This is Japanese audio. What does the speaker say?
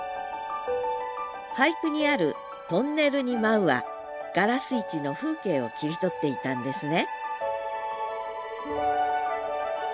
俳句にある「トンネルに舞ふ」は「がらす市」の風景を切り取っていたんですね